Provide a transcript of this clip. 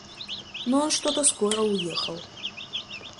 Но он что-то скоро уехал.